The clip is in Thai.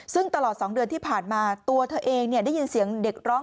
ซึ่งตลอด๒เดือนที่ผ่านมาตัวเธอเองได้ยินเสียงเด็กร้อง